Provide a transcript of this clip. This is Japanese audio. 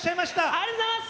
ありがとうございます。